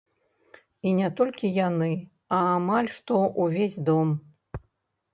І не толькі яны, а амаль што ўвесь дом.